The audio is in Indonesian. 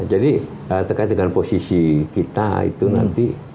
jadi terkait dengan posisi kita itu nanti